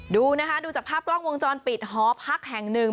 ดูนะคะดูจากภาพกล้องวงจรปิดหอพักแห่งหนึ่ง